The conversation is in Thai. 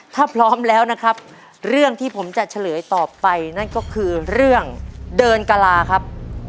ถ้าพร้อมแล้วนะครับเรื่องที่ผมจะเฉลยต่อไปนั่นก็คือเรื่องเดินกะลาครับ